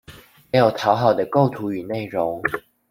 沒有討好的構圖與內容